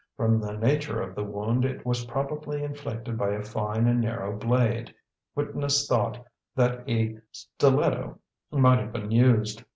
From the nature of the wound, it was probably inflicted by a fine and narrow blade witness thought that a stiletto might have been used.